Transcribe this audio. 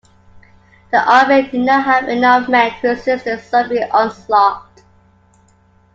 The Army did not have enough men to resist the Soviet onslaught.